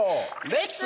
レッツ！